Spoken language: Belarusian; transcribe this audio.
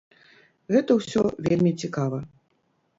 Гэта ўсё вельмі цікава.